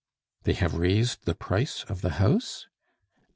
"They have raised the price of the house?"